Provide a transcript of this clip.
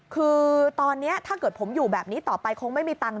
คือตอนนี้ถ้าเกิดผมอยู่แบบนี้ต่อไปคงไม่มีตังค์